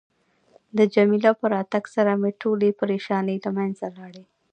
د جميله په راتګ سره مې ټولې پریشانۍ له منځه لاړې.